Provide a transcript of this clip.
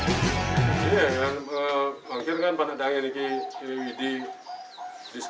sehingga kemudiannya adanya kami yang menjaya kita